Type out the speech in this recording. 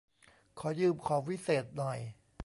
ขอยืมของวิเศษหน่อย